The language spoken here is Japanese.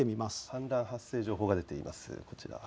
氾濫発生情報が出ています。